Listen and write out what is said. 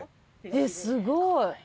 えっすごい！